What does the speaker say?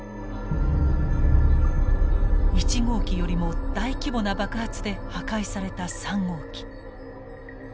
１号機よりも大規模な爆発で破壊された３号機。